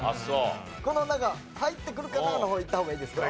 この入ってくるかな？の方いった方がいいですか？